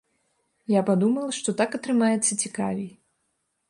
Я падумала, што так атрымаецца цікавей.